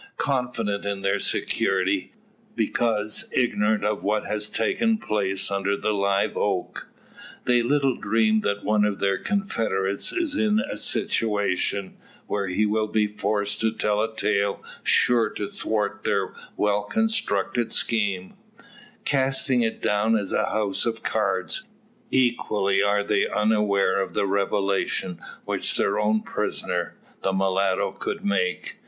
Confident in their security, because ignorant of what has taken place under the live oak, they little dream that one of their confederates is in a situation, where he will be forced to tell a tale sure to thwart their well constructed scheme, casting it down as a house of cards. Equally are they unaware of the revelation which their own prisoner, the mulatto, could make.